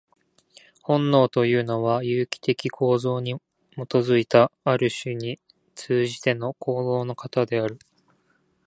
本能というのは、有機的構造に基いた、ある種に通じての行動の型である。